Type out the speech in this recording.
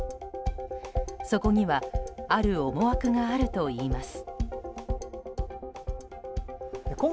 そこにはある思惑があるといいます。